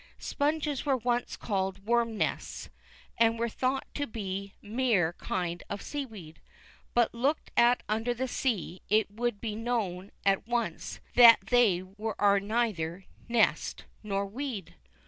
Sponges were once called "worm nests," and were thought to be a mere kind of seaweed. But looked at under the sea, it would be known at once that they are neither nest nor weed.